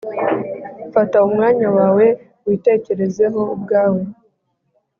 fata umwanya wawe witekerezeho ubwawe